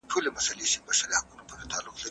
زکات د غریبانو د ژوند د کچې د لوړولو وسیله ده.